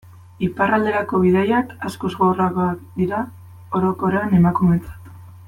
Iparralderako bidaiak askoz gogorragoak dira orokorrean emakumeentzat.